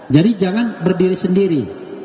jadi jangan berdiri sendiri